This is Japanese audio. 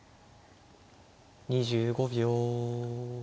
２５秒。